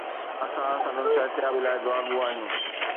اسان سندن صحتيابي لاءِ دعاگو آهيون